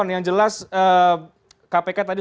yang jelas kpk tadi